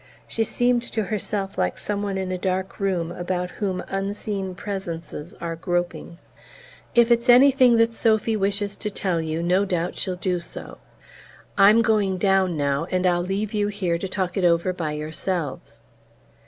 She seemed to herself like some one in a dark room about whom unseen presences are groping. "If it's anything that Sophy wishes to tell you, no doubt she'll do so. I'm going down now, and I'll leave you here to talk it over by yourselves."